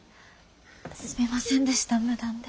すみませんでした無断で。